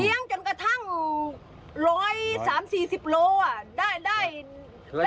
ได้ขายโลละแค่๖๐บาท